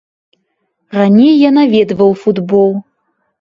Раней я наведваў футбол.